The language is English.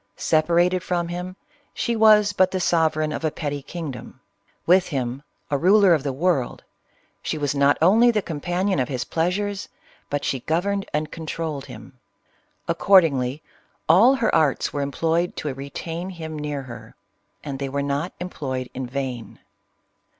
Separated from him she was but the sovereign of a petty king dom ; with him — a ruler of the world — she was not only the companion of his pleasures, but she governed and controlled him. Accordingly, all her arts were employed to retain him near her, — and they were not employed in vain.